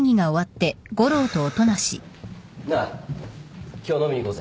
なあ今日飲みに行こうぜ。